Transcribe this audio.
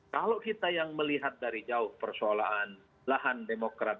kalau kita yang melihat dari jauh persoalan lahan demokrat